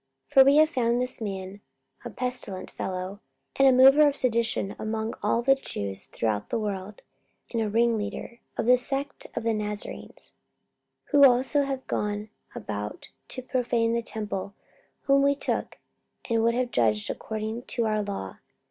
44:024:005 For we have found this man a pestilent fellow, and a mover of sedition among all the Jews throughout the world, and a ringleader of the sect of the Nazarenes: 44:024:006 Who also hath gone about to profane the temple: whom we took, and would have judged according to our law.